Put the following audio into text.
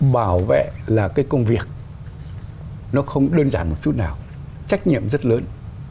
bảo vệ là cái công việc nó không đơn giản một chút nào trách nhiệm rất lớn